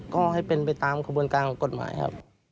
ก็ให้เป็นไปตามขบุนกลางงานกฎหมายครับ